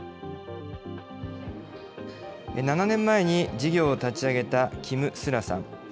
７年前に事業を立ち上げたキム・スラさん。